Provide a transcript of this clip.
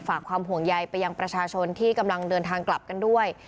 ฝากความห่วงใยไปยังประชาชนที่กำลังเดินทางกลับกันด้วย